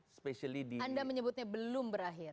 anda menyebutnya belum berakhir